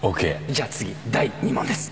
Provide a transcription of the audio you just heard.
じゃあ次第２問です